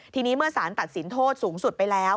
ทีนี้เมื่อสารตัดสินโทษสูงสุดไปแล้ว